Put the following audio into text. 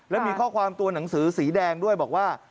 และมีข้อความตัวหนังสือสีแดงด้วยบอกว่า